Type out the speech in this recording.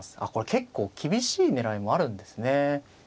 あっこれ結構厳しい狙いもあるんですね。